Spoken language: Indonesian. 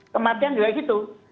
kematian juga gitu